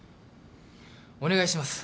お願いします。